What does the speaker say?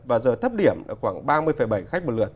và giờ thấp điểm khoảng ba mươi bảy khách một lượt